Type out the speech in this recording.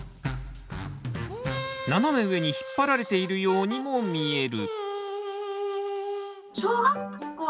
斜め上に引っ張られているようにも見える。